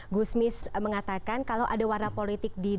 gusmis mengatakan kalau ada warna politik di